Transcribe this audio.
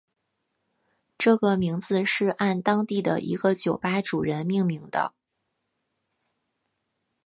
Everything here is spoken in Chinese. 这个名字是按当地的一个酒吧主人命名的。